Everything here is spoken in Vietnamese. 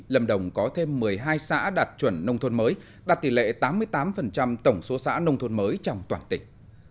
lâm đồng có thêm một mươi hai xã đạt chuẩn nông thôn mới đạt tỷ lệ tám mươi tám tổng số xã nông thôn mới trong toàn tỉnh